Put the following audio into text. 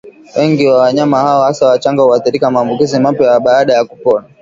Wengi wa wanyama hao hasa wachanga huathirika Maambukizi mapya baada ya kupona